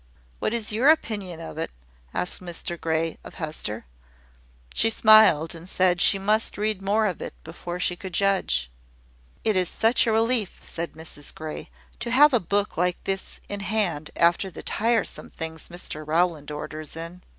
"What is your opinion of it?" asked Mr Grey of Hester. She smiled, and said she must read more of it before she could judge. "It is such a relief," said Mrs Grey, "to have a book like this in hand after the tiresome things Mr Rowland orders in!